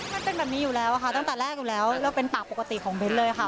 มันเป็นแบบนี้อยู่แล้วค่ะตั้งแต่แรกอยู่แล้วแล้วเป็นปากปกติของเบ้นเลยค่ะ